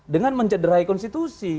dengan mencederai konstitusi